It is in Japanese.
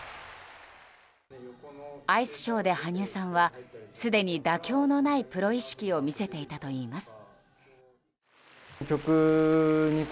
アイスショーで羽生さんはすでに妥協のないプロ意識を見せていたといいます。